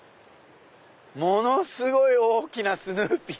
ものすごい大きなスヌーピー！